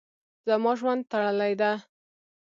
زما ژوند تړلی ده.